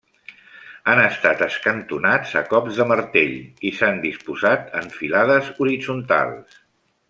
Han estat escantonats a cops de martell i s'han disposat en filades horitzontals.